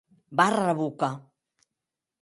Barra era boca.